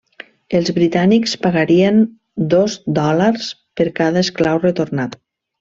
Els britànics pagarien dos dòlars per cada esclau retornat.